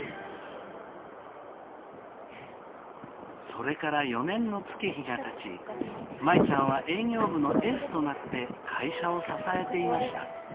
それから４年の月日がたち舞ちゃんは営業部のエースとなって会社を支えていました。